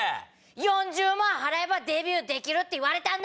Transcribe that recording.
「４０万払えばデビューできる」って言われたんだ。